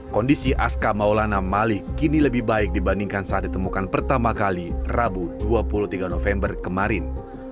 kondisi aska maulana malik kini lebih baik dibandingkan saat ditemukan pertama kali rabu dua puluh tiga november kemarin